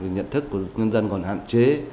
nhận thức của nhân dân còn hạn chế